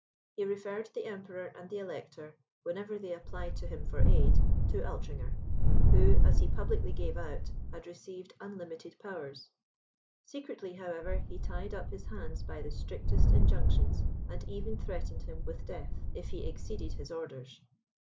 He referred the Emperor and the Elector, whenever they applied to him for aid, to Altringer, who, as he publicly gave out, had received unlimited powers; secretly, however, he tied up his hands by the strictest injunctions, and even threatened him with death, if he exceeded his orders.